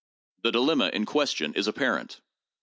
The dilemma in question is apparent.